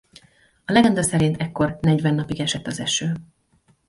A legenda szerint ekkor negyven napig esett az eső.